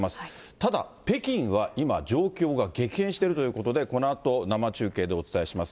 ただ、北京は今、状況が激変しているということで、このあと生中継でお伝えします。